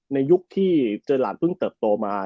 ในยุคที่เจอหลานเพิ่งเติบโตมา